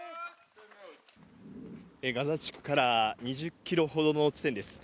ガザ地区から２０ｋｍほどの地点です。